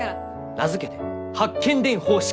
名付けて八犬伝方式！